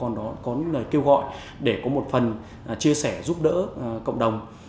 còn đó có những lời kêu gọi để có một phần chia sẻ giúp đỡ cộng đồng